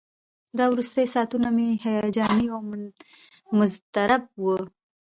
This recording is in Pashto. دا وروستي ساعتونه مې هیجاني او مضطرب وو.